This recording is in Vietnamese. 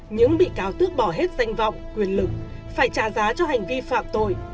những bị cáo tước bỏ hết danh vọng quyền lực phải trả giá cho hành vi phạm tội